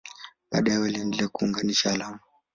Baadaye waliendelea kuunganisha alama.